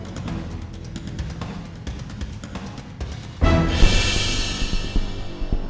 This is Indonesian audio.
saya merasakan hidup saya